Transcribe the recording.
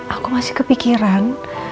aku masih kepikiran